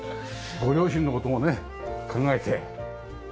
ご両親の事もね考えて。